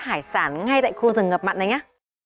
hải sản ngay tại khu rừng ngập mặn này nhé